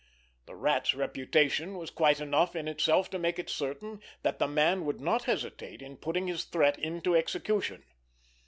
The Rat's reputation was quite enough in itself to make it certain that the man would not hesitate in putting his threat into execution.